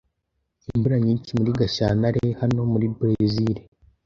Imvura nyinshi muri Gashyantare hano muri Berezile.